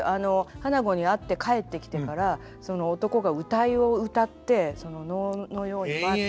花子に会って帰ってきてからその男が謡をうたって能のように舞って。